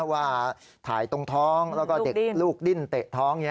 ว่าถ่ายตรงท้องแล้วก็เด็กลูกดิ้นเตะท้อง